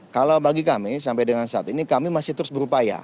kalau bagi kami sampai dengan saat ini kami masih terus berupaya